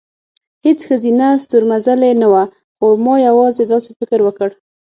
هېڅ ښځینه ستورمزلې نه وه، خو ما یوازې داسې فکر وکړ،